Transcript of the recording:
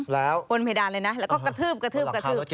แล้วบนเพดานเลยนะแล้วก็กระทืบกระทืบกระทืบ